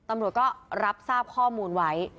ตำรวจก็รับทราบข้อมูลไว้